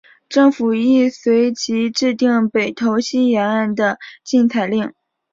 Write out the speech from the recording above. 政府亦随即制定北投溪沿岸的禁采令。